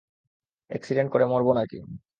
Accident করে মরবো নাকি।